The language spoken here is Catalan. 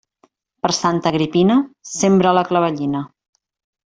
Per Santa Agripina, sembra la clavellina.